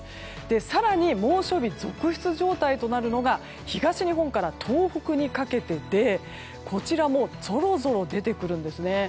更に、猛暑日続出状態となるのが東日本から東北にかけてでこちらもぞろぞろ出てくるんですね。